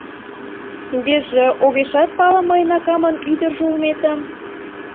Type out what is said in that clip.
— Тугеже огешат пале мыйын акамын ӱдыржӧ улметым?